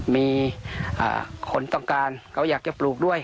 มีคนต้องการเขาอยากจะปลูกด้วย